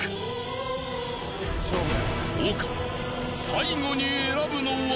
［丘最後に選ぶのは？］